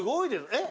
えっ？